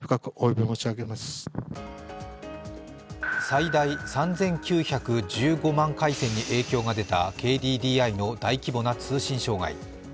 最大３９１５万回線に影響が出たＫＤＤＩの大規模な通信障害。